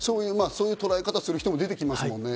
そういう捉え方する人も出てきますもんね。